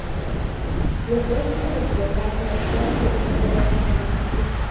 Los frescos de Teotihuacán se realizaban sobre una capa fina de estuco.